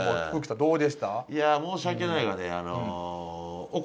さんどうでした？